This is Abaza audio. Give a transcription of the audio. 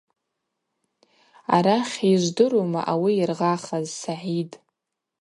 Арахь, йыжвдырума ауи йыргъахаз, Сагӏид.